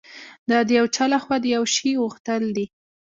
دا د یو چا لهخوا د یوه شي غوښتل دي